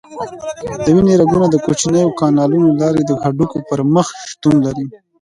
د وینې رګونه د کوچنیو کانالونو له لارې د هډوکو په مخ شتون لري.